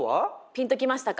ピンと来ましたか？